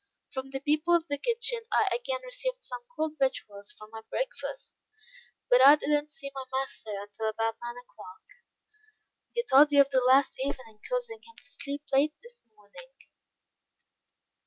From the people of the kitchen I again received some cold victuals for my breakfast, but I did not see my master until about nine o'clock; the toddy of the last evening causing him to sleep late this morning.